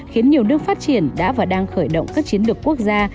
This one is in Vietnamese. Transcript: khiến nhiều nước phát triển đã và đang khởi động các chiến lược quốc gia